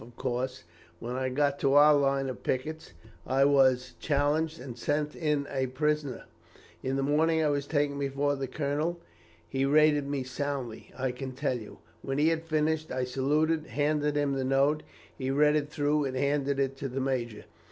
Of course, when I got to our line of pickets, I was challenged, and sent in a prisoner. In the morning I was taken before the colonel. He rated me soundly. I can tell you. When he had finished, I saluted and handed him the note. He read it through, and handed it to the major.